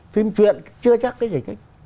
phim truyện chưa chắc cái gì hết